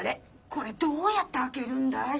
これどうやって開けるんだい？